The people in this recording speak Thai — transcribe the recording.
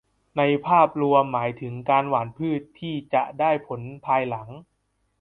ในภาพรวมหมายถึงการหว่านพืชที่จะได้ผลภายหลัง